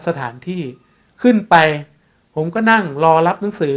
สถานที่ขึ้นไปผมก็นั่งรอรับหนังสือ